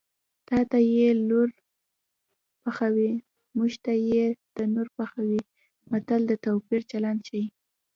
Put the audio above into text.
تاته یې لور پخوي موږ ته یې تنور پخوي متل د توپیر چلند ښيي